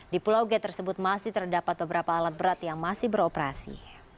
di pulau g tersebut masih terdapat beberapa alat berat yang masih beroperasi